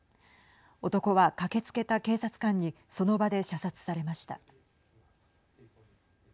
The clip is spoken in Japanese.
男は、駆けつけた警察官にその場で射殺されました。